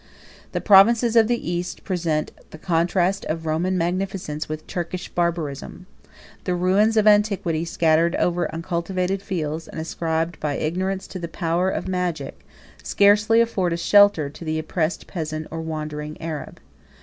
The provinces of the East present the contrast of Roman magnificence with Turkish barbarism. The ruins of antiquity scattered over uncultivated fields, and ascribed, by ignorance, to the power of magic, scarcely afford a shelter to the oppressed peasant or wandering Arab.